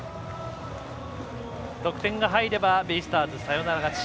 得点が入れば、ベイスターズサヨナラ勝ち。